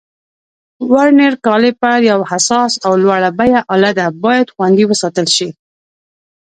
ورنیر کالیپر یو حساس او لوړه بیه آله ده، باید خوندي وساتل شي.